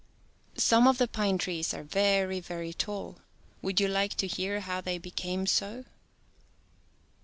Some of the pine trees are very, very tall. Would you like to hear how they became so